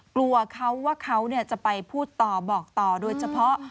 กลัวเขาว่าเขาจะไปพูดต่อบอกต่อโดยเฉพาะ